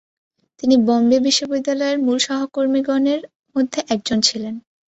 তিনি বম্বে বিশ্ববিদ্যালয়ের মূল সহকর্মীগণে মধ্যে একজন ছিলেন।